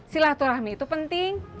silaturahmi itu penting